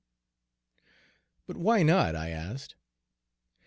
"But why not?" I asked.